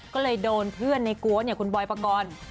ก็เลยโดนเพื่อนในกัวเนี่ยคุณบอยปกรณ์